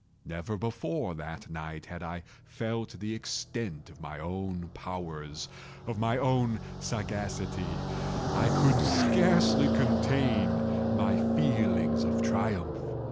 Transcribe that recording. Never before that night had I felt the extent of my own powers—of my sagacity. I could scarcely contain my feelings of triumph.